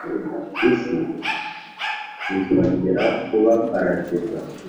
Isi izongera kuba Paradizo